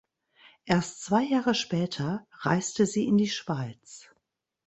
Erst zwei Jahre später reiste sie in die Schweiz.